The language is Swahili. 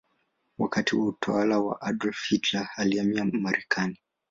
Wakati wa utawala wa Adolf Hitler alihamia Marekani.